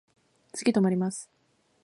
次止まります。